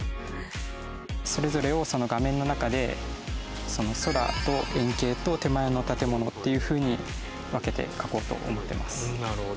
それぞれをその画面の中で空と遠景と手前の建物っていうふうに分けて描こうと思ってます。